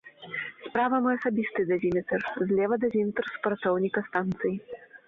Справа мой асабісты дазіметр, злева дазіметр супрацоўніка станцыі.